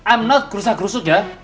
i'm not krusa krusut ya